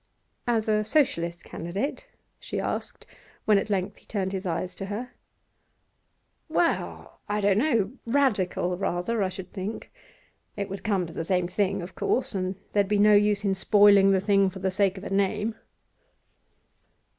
'As a Socialist candidate?' she asked, when at length he turned his eyes to her. 'Well, I don't know. Radical rather, I should think. It would come to the same thing, of course, and there'd be no use in spoiling the thing for the sake of a name.